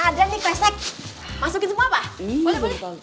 ada nih klesek masukin semua pak boleh boleh